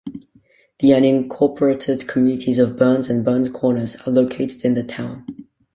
The unincorporated communities of Burns and Burns Corners are located in the town.